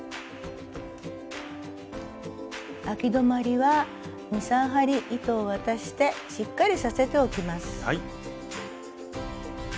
あき止まりは２３針糸を渡してしっかりさせておきます。